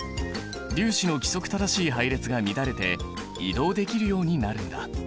粒子の規則正しい配列が乱れて移動できるようになるんだ。